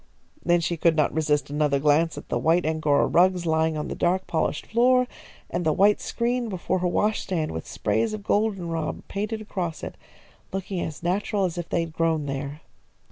Then she could not resist another glance at the white Angora rugs lying on the dark, polished floor, and the white screen before her wash stand with sprays of goldenrod painted across it, looking as natural as if they had grown there.